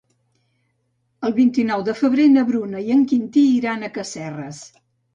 El vint-i-nou de febrer na Bruna i en Quintí iran a Casserres.